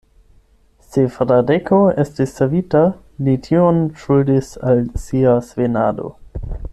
Se Fradeko estis savita, li tion ŝuldis al sia svenado.